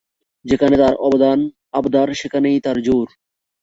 যেখানে তার আবদার সেখানেই তার জোর।